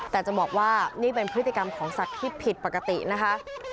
แต่จะบอกว่านี่เป็นพฤติกรรมของสัตว์ที่ผิดปกตินะคะ